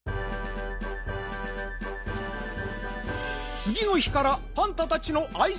つぎの日からパンタたちのあいさつ